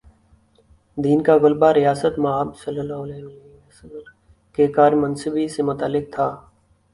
دین کا غلبہ رسالت مآبﷺ کے کار منصبی سے متعلق تھا۔